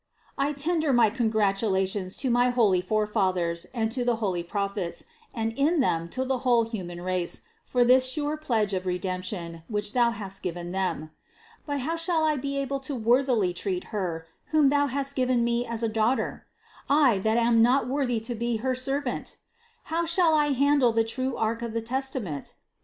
I tender my congratulations to my holy forefathers and to the holy Prophets, and in them to the whole human race, for this sure pledge of Redemption, which Thou hast given them. But how shall I be able worthily to treat Her, whom Thou hast given me as a Daughter? I that am not worthy to be her servant? How shall I handle the true ark of the Testament?